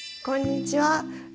こんにちは。